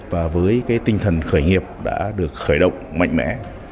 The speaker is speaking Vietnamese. và với tinh thần khởi nghiệp đã được khởi động mạnh mẽ